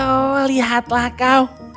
oh lihatlah kau